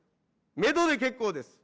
メドで結構です。